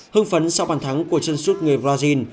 hưng phấn sau bàn thắng của chân suốt người brazil